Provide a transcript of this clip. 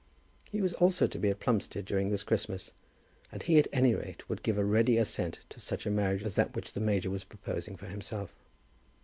He was also to be at Plumstead during this Christmas, and he at any rate would give a ready assent to such a marriage as that which the major was proposing for himself.